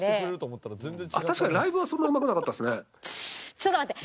ちょっと待って！